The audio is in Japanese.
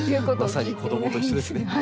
まさに子どもと一緒ですね。